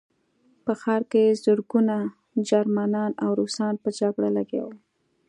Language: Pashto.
په ښار کې زرګونه جرمنان او روسان په جګړه لګیا وو